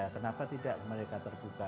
kenapa tidak mereka terbuka